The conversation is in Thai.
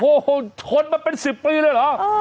โอ้โหชนมาเป็น๑๐ปีเลยเหรอ